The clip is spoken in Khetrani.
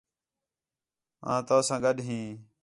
آں تَؤساں ڳڈھ ہیں